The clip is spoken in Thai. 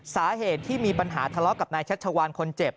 สาเหตุที่มีปัญหาทะเลาะกับนายชัชวานคนเจ็บ